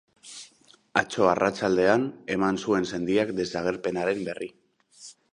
Atzo arratsaldean eman zuen sendiak desagerpenaren berri.